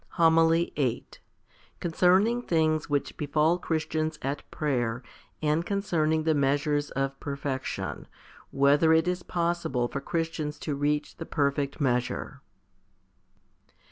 15. HOMILY VIII Concerning things which befall Christians at prayer, and concerning the measures of perfection whether it is possible for Christians to reach the perfect measure.